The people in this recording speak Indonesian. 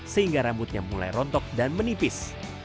sehingga rambutnya mulai rontok dan menipis